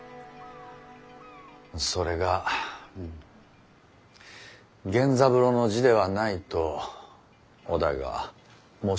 それが源三郎の字ではないと於大が申しておってな。